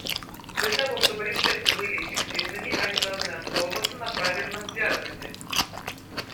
Для того чтобы рецепты были эффективными, они должны основываться на правильном диагнозе.